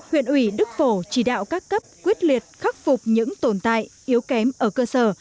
huyện ủy đức phổ chỉ đạo các cấp quyết liệt khắc phục những tồn tại yếu kém ở cơ sở